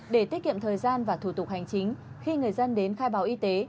để tiết kiệm thời gian và thủ tục hành chính khi người dân đến khai báo y tế